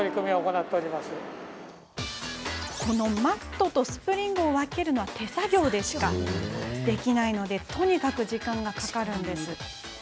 マットとスプリングを分けるのは手作業でしかできずとにかく時間がかかるんです。